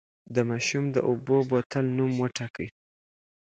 د ماشوم د اوبو بوتل نوم وټاکئ.